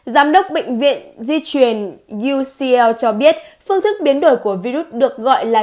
giám đốc bệnh viện di chuyển ucl cho biết phương thức biến đổi của virus được gọi là